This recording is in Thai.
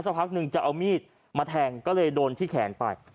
สักพักนึงจะเอามีดมาแทงก็เลยโดนที่แขนไป